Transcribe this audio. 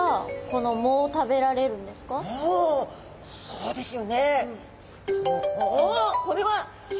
そうですね。